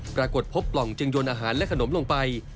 ปรากฏพบปล่องจึงยนอาหารและขนมลงไป